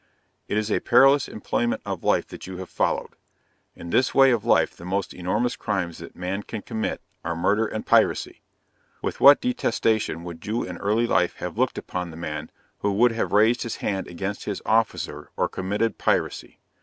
It is a perilous employment of life that you have followed; in this way of life the most enormous crimes that man can commit, are MURDER AND PIRACY. With what detestation would you in early life have looked upon the man who would have raised his hand against his officer, or have committed piracy!